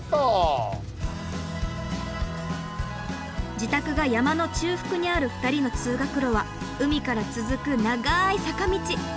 自宅が山の中腹にある２人の通学路は海から続く長い坂道。